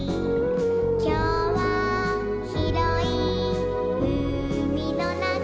「きょうはひろいうみのなか」